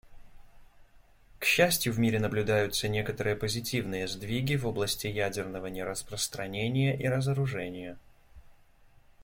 К счастью, в мире наблюдаются некоторые позитивные сдвиги в области ядерного нераспространения и разоружения.